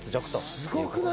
すごくない？